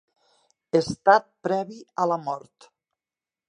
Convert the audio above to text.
Estat previ a la mort.